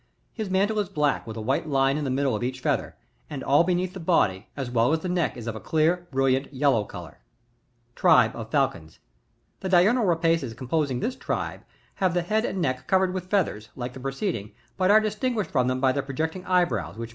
His mantle is black with a white line in the middle of each feather, and all beneath the body as well as the neck is of a clear, brilliant, yellow colour. Tribe of Falcons. 27 . The Diurnal Rapaces composing this tribe have the head and neck covered with feathers, like the preceding, but are dis tinguished from them by their projecting eye brows ^yhich make 23.